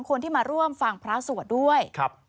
คนที่มาร่วมฟังพระสวดด้วย